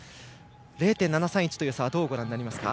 ０．７３１という差はどうご覧になりますか？